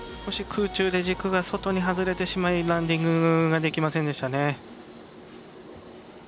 空中で軸が外に外れてしまいランディングができませんでしたね。